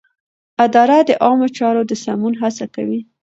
اداره د عامه چارو د سمون هڅه کوي.